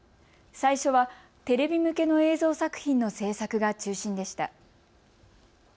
最初はテレビ向けの映像作品の制作が中心でした。